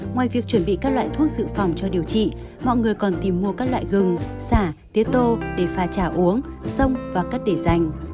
ngoài việc chuẩn bị các loại thuốc dự phòng cho điều trị mọi người còn tìm mua các loại gừng sả tiết tô để pha trà uống xông và cất để dành